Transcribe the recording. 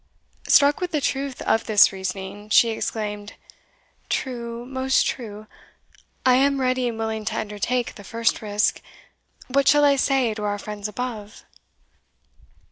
Struck with the truth of this reasoning, she exclaimed, "True, most true; I am ready and willing to undertake the first risk What shall I say to our friends above?"